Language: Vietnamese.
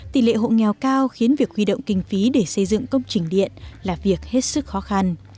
tỷ lệ hộ nghèo cao khiến việc huy động kinh phí để xây dựng công trình điện là việc hết sức khó khăn